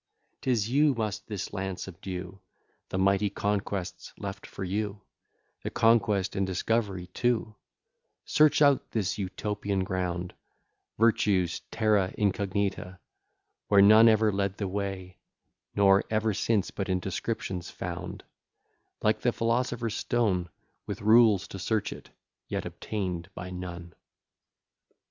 'Tis you who must this land subdue, The mighty conquest's left for you, The conquest and discovery too: Search out this Utopian ground, Virtue's Terra Incognita, Where none ever led the way, Nor ever since but in descriptions found; Like the philosopher's stone, With rules to search it, yet obtain'd by none.